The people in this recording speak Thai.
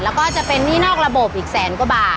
แล้วก็จะเป็นหนี้นอกระบบอีกแสนกว่าบาท